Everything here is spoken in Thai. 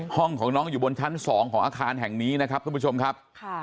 ห้องของน้องอยู่บนชั้น๒ของอาคารแห่งนี้นะครับทุกผู้ชมครับ